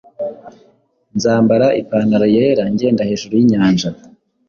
Nzambara ipantaro yera ngenda hejuru yinyanja